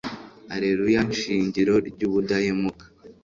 allelua, shingiro ry'ubudahemuka